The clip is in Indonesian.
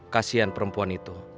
kasian perempuan itu